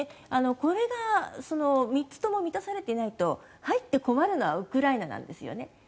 これが３つとも満たされていないと入って困るのはウクライナなんですよね。